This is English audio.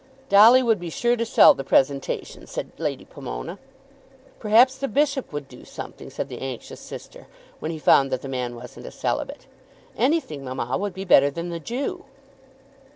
"Dolly would be sure to sell the presentation," said Lady Pomona. "Perhaps the bishop would do something," said the anxious sister, "when he found that the man wasn't a celibate. Anything, mamma, would be better than the Jew."